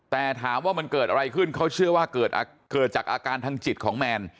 แต่ถามว่ามันเกิดอะไรขึ้นเขาเชื่อว่าเกิดจากอาการทางจิตของแมน